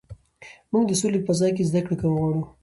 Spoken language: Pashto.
موږ د سولې په فضا کې زده کړه غواړو.